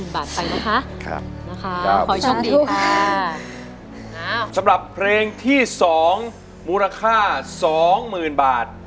ได้ครับ